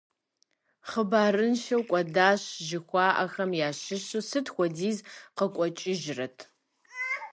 «Хъыбарыншэу кӀуэдащ», жыхуаӀахэм ящыщу сыт хуэдиз къыкъуэкӀыжрэт?